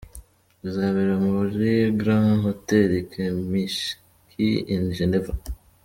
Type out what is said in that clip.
Bizabera muri Grand Hotel Kempinski in Geneva.